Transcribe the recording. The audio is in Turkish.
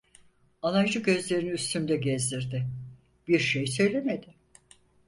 Alaycı gözlerini üstümde gezdirdi. Bir şey söylemedi.